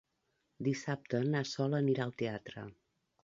Dissabte na Sol anirà al teatre.